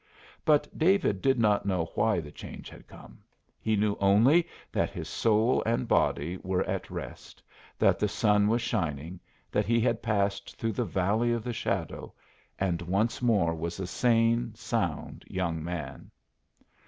But David did not know why the change had come. He knew only that his soul and body were at rest, that the sun was shining, that he had passed through the valley of the shadow, and once more was a sane, sound young man.